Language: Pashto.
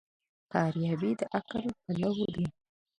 فارابي د عقل پلوی دی.